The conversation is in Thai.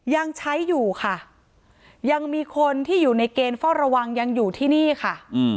ยังใช้อยู่ค่ะยังมีคนที่อยู่ในเกณฑ์เฝ้าระวังยังอยู่ที่นี่ค่ะ